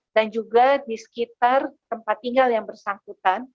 dan juga di sekitar tempat tinggal yang bersangkutan